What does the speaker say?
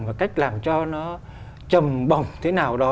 và cách làm cho nó trầm bồng thế nào đó